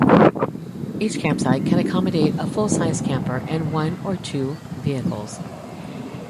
Each campsite can accommodate a full-size camper and one or two vehicles.